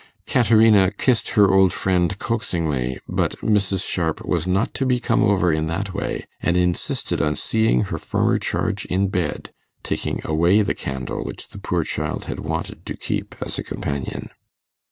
Caterina kissed her old friend coaxingly, but Mrs. Sharp was not to be 'come over' in that way, and insisted on seeing her former charge in bed, taking away the candle which the poor child had wanted to keep as a companion.